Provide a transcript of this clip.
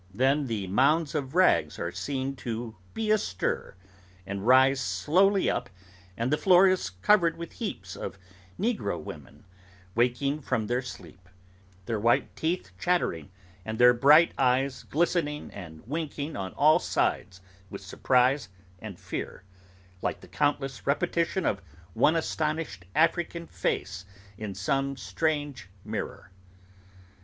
Then the mounds of rags are seen to be astir, and rise slowly up, and the floor is covered with heaps of negro women, waking from their sleep: their white teeth chattering, and their bright eyes glistening and winking on all sides with surprise and fear, like the countless repetition of one astonished African face in some strange mirror.